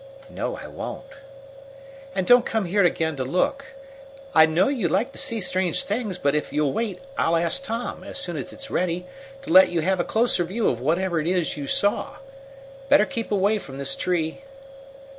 "No, I won't." "And don't come here again to look. I know you like to see strange things, but if you'll wait I'll ask Tom, as soon as it's ready, to let you have a closer view of whatever it was you saw. Better keep away from this tree."